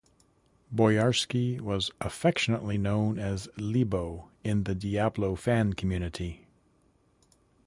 Boyarsky was affectionately known as 'LeBo' in the Diablo fan community.